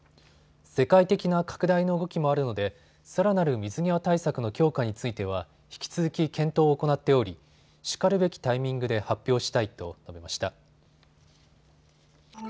世界的な拡大の動きもあるのでさらなる水際対策の強化については引き続き検討を行っておりしかるべきタイミングで発表したいと述べました。